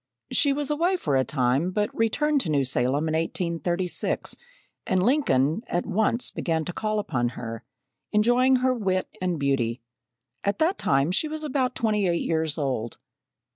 She was away for a time, but returned to New Salem in 1836, and Lincoln at once began to call upon her, enjoying her wit and beauty. At that time she was about twenty eight years old.